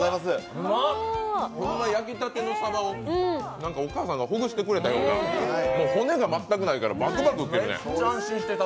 焼きたてのさばをお母さんがほぐしてくれたような、もう骨が全くないからバクバク食えるね。